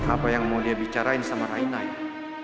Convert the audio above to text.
apa yang mau dia bicarain sama raina ya